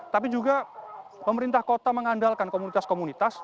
tapi juga pemerintah kota mengandalkan komunitas komunitas